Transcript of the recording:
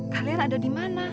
kalian ada dimana